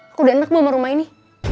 aku udah enak mau rumah ini